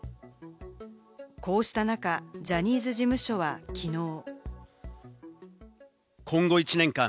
こうした中、ジャニーズ事務所は、きのう。